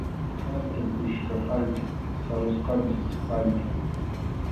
Hatun kuska allpa, sarusqanchik allpa.